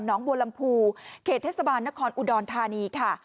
นองบวลัมพูเขตเทศบาลอุดอนธานี